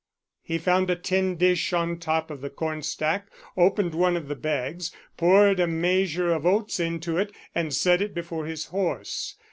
He found a tin dish on top of the cornstack, opened one of the bags, poured a measure of oats into it, and set it before his horse.